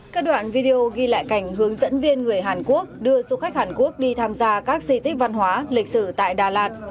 các đoạn video ghi lại cảnh hướng dẫn viên người hàn quốc đưa du khách hàn quốc đi tham gia các di tích văn hóa lịch sử tại đà lạt